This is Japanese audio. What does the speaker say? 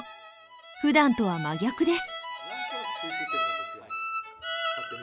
ふだんとは真逆です。